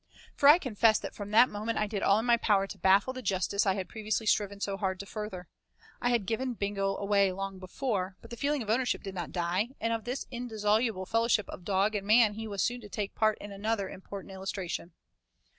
For I confess that from that moment I did all in my power to baffle the justice I had previously striven so hard to further. I had given Bingo away long before, but the feeling of ownership did not die; and of this indissoluble fellowship of dog and man he was soon to take part in another important illustration.